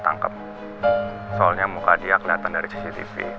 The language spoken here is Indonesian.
saya dapat wesiction melalui peserjasa hemen